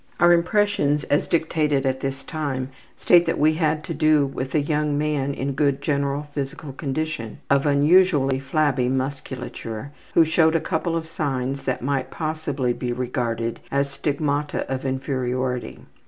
Our impressions as dictated at this time state that we had to do with a young man in good general physical condition, of unusually flabby musculature, who showed a couple of signs that might possibly be regarded as stigmata of inferiority.